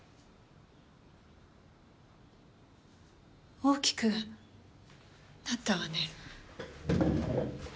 大きくなったわね。